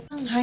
はい。